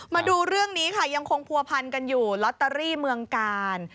มาดูเรื่องนี้ค่ะยังคงผัวพันกันอยู่ลอตเตอรี่เมืองกาล